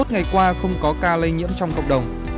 bốn mươi một ngày qua không có ca lây nhiễm trong cộng đồng